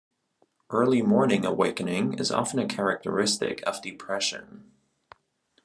Early morning awakening is often a characteristic of depression.